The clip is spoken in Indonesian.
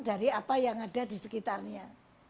dari apa yang ada di sekitarnya